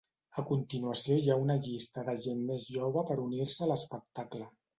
A continuació hi ha una llista de la gent més jove per unir-se a l'espectacle.